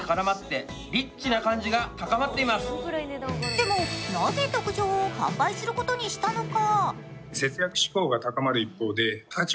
でも、なぜ特上を販売することにしたのか？